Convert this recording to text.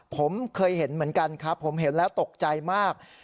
ผมเคยเห็นเหมือนกันครับผมเห็นแล้วตกใจมาก